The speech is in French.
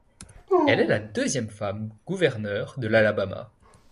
Elle est la deuxième femme gouverneur de l'Alabama.